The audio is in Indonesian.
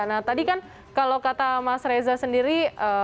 nah tadi kan kalau kata mas reza sendiri